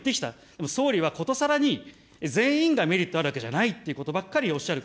でも総理はことさらに、全員メリットがあるわけじゃないということばっかりおっしゃる。